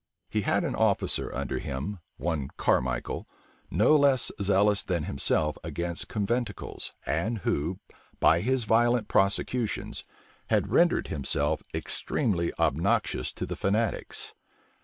He had an officer under him, one Carmichael, no less zealous than himself against conventicles, and who, by his violent prosecutions, had rendered himself extremely obnoxious to the fanatics.